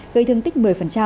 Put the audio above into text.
gây thương tích một mươi